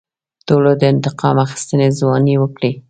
ټولو د انتقام اخیستنې ځوانۍ وکړې.